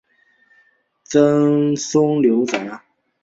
曾孙刘洎。